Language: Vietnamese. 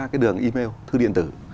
cái đường email thư điện tử